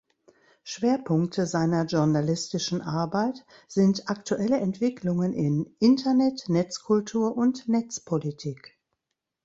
Schwerpunkte seiner journalistischen Arbeit sind aktuelle Entwicklungen in Internet, Netzkultur und Netzpolitik.